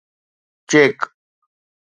check